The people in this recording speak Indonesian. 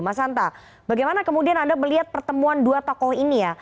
mas hanta bagaimana kemudian anda melihat pertemuan dua tokoh ini ya